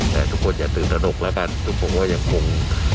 แต่ทุกคนอย่าตื่นตระหนกแล้วกันทุกคนก็ยังคง